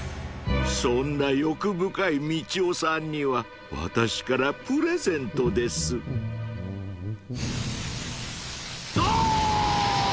そんな欲深いみちおさんには私からプレゼントですドーン！